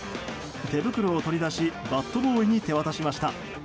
手袋を取り出しバットボーイに手渡しました。